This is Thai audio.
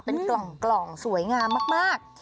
เป็นกล่องสวยงามมาก